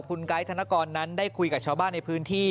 คุณไกด์ธนกรนั้นได้คุยกับชาวบ้านในพื้นที่